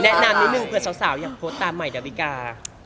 แนะนำนิดหนึ่งเพื่อเพียร์สาวอย่าโปรดตามใหม่ดวิกาการ